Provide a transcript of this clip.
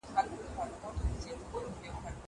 کتابتون د مور له خوا پاکيږي.